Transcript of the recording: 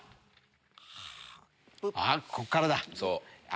こっからだ。